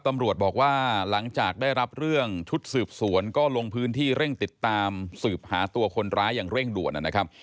ตำรวจบอกว่าหลังจากได้รับเรื่องชุดสืบสวนก็ลงพื้นที่เร่งติดตามสืบหาตัวคนร้ายอย่างเร่งด่วนนะครับ